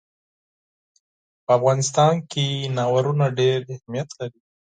په افغانستان کې تالابونه ډېر اهمیت لري.